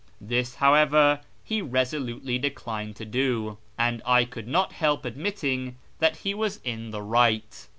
This, however, he resolutely declined to do, and I could not help admitting that he was in the right.